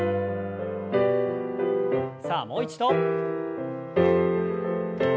さあもう一度。